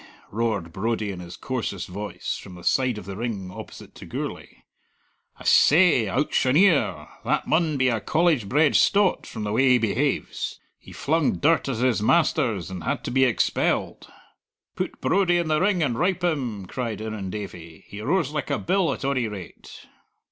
roared Brodie in his coarsest voice, from the side of the ring opposite to Gourlay. "I seh, owctioner! That maun be a College bred stot, from the way he behaves. He flung dirt at his masters, and had to be expelled." "Put Brodie in the ring and rowp him!" cried Irrendavie. "He roars like a bill, at ony rate."